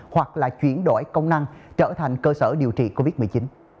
hoặc là chuyển đổi công năng trở thành cơ sở điều trị covid một mươi chín